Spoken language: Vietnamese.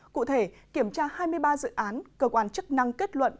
cụ thể kiểm tra hai mươi ba dự án cơ quan chức năng kết luận